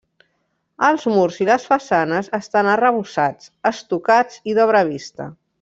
Els murs i les façanes estan arrebossats, estucats i d'obra vista.